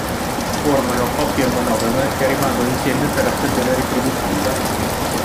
Formano coppie monogame che rimangono insieme per la stagione riproduttiva.